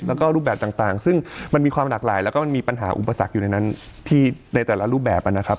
แล้วก็รูปแบบต่างซึ่งมันมีความหลากหลายแล้วก็มันมีปัญหาอุปสรรคอยู่ในนั้นที่ในแต่ละรูปแบบนะครับ